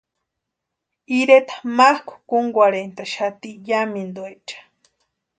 Ireta mákʼu kúnkwarhentʼaxati yámintuecha.